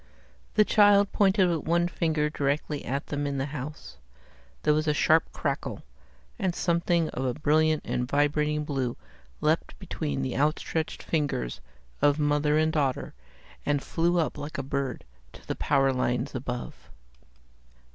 The child pointed with one finger directly at them in the house. There was a sharp crackle, and something of a brilliant and vibrating blue leaped between the out stretched fingers of mother and daughter, and flew up like a bird to the power lines above.